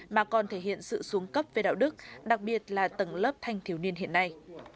mà còn thể hiện sự xuống cấp về đạo đức đặc biệt là tầng lớp thanh thiếu niên hiện nay